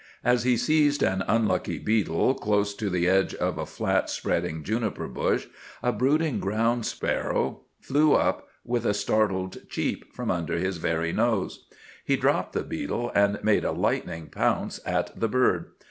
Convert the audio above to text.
As he seized an unlucky beetle, close to the edge of a flat, spreading juniper bush, a brooding ground sparrow flew up, with a startled cheep, from under his very nose. He dropped the beetle and made a lightning pounce at the bird.